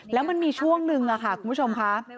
แล้วมันมีช่วงหนึ่งค่ะคุณผู้ชมค่ะ